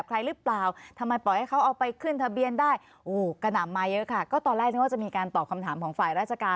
ก็ตอนแรกนึกว่าจะมีการตอบคำถามของฝ่ายราชการ